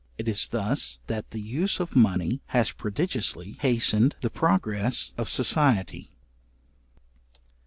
It is thus, that the use of money has prodigiously hastened the progress of society.